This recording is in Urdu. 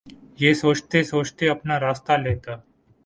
یہ سوچتے سوچتے اپنا راستہ لیتا